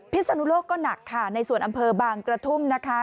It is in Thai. ศนุโลกก็หนักค่ะในส่วนอำเภอบางกระทุ่มนะคะ